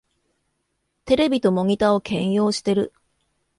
テレビとモニタを兼用してる